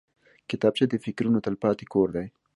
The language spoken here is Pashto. کتابچه د فکرونو تلپاتې کور دی